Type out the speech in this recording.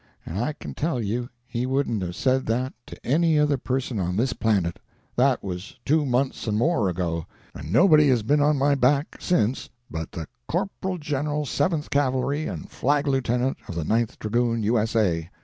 and I can tell you he wouldn't have said that to any other person on this planet. That was two months and more ago, and nobody has been on my back since but the Corporal General Seventh Cavalry and Flag Lieutenant of the Ninth Dragoons, U.S.A.